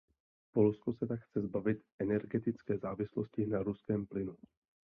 Polsko se tak chce zbavit energetické závislosti na ruském plynu.